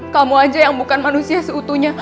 kamu aja yang bukan manusia seutuhnya